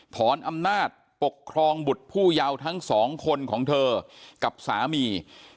ถอนอำนาจปกครองบุตรผู้เยาว์ทั้งสองคนของเธอกับสามี